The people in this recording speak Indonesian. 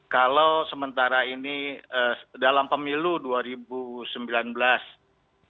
kalau sementara ini dalam pemilu dua ribu sembilan belas nasdem itu lemah